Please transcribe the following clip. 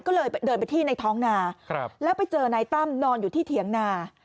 ก็เลยเดินไปที่ในท้องนาแล้วไปเจอนายตั้มนอนอยู่ที่เถียงนา